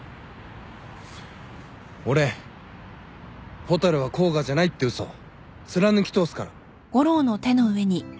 俺蛍は甲賀じゃないって嘘貫き通すから。